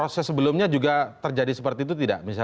proses sebelumnya juga terjadi seperti itu tidak